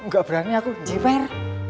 gak berani aku jiper